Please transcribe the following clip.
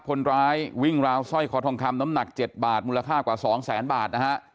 คนร้ายวิ่งราวสร้อยคอทองคำน้ำหนัก๗บาทมูลค่ากว่า๒แสนบาทนะฮะ